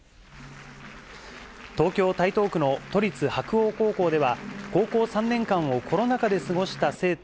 東京・台東区の都立白鴎高校では、高校３年間をコロナ禍で過ごした生徒